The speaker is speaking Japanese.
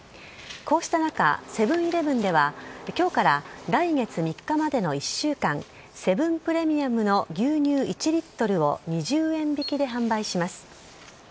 こうした中、セブンーイレブンでは、きょうから来月３日までの１週間、セブンプレミアムの牛乳１リットルを２０円引きで販売します。